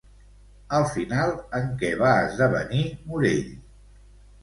Al final, en què va esdevenir Morell?